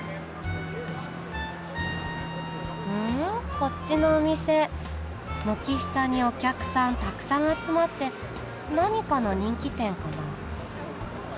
こっちのお店軒下にお客さんたくさん集まって何かの人気店かな。